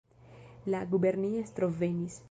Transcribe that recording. La guberniestro venis!